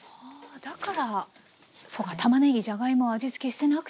だからそうかたまねぎじゃがいも味つけしてなくても。